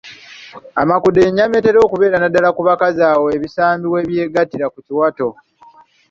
Amakudde y’ennyama etera okubeera naddala ku bakazi awo ebisambi we byegattira ku kiwato.